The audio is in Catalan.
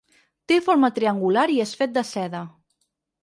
Té forma triangular i és fet de seda.